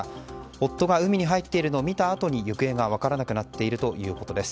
夫が海に入っているのを見たあとに行方が分からなくなっているということです。